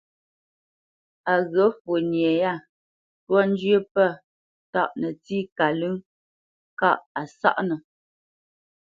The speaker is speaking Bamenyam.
Á ghyə̂ fwo nye yâ ntwá njyə́ pə̂ tâʼ nətsí kalə́ŋ kâʼ a sáʼnə̄.